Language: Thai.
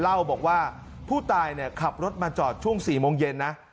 เล่าบอกว่าผู้ตายขับรถมาจอดช่วง๔โมงเย็นนะ